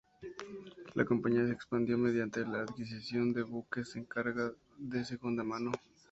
La compañía se expandió mediante la adquisición de buques de carga de segunda mano.